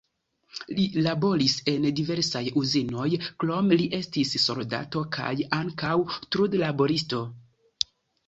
Li laboris en diversaj uzinoj, krome li estis soldato kaj ankaŭ trudlaboristo.